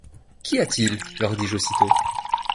Qu’y a-t-il ? leur dis-je aussitôt.